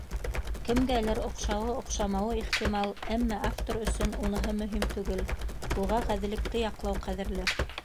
Кемгәлер оҡшауы, оҡшамауы ихтимал, әммә автор өсөн уныһы мөһим түгел, уға ғәҙеллекте яҡлау ҡәҙерле!